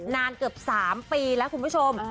นานเกือบ๓ปีแล้วคุณผู้ชม